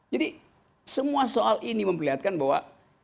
jadi semua soal ini memperlihatkan bahwa